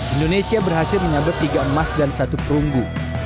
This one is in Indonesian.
indonesia berhasil menyabet tiga emas dan satu perunggu